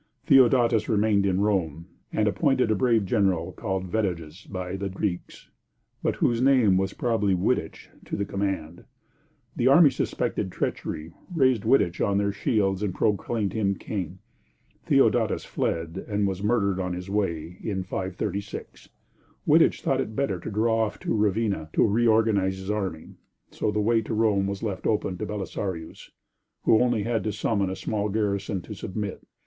Theodatus remained in Rome, and appointed a brave general called Vetiges by the Greeks, but whose name was probably Wittich, to the command. The army suspected treachery, raised Wittich on their shields and proclaimed him king. Theodatus fled, and was murdered on his way, in 536. Wittich thought it better to draw off to Ravenna to reorganize his army, so the way to Rome was left open to Belisarius, who had only to summon a small garrison to submit.